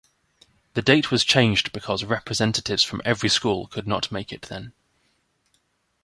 The date was changed because representatives from every school could not make it then.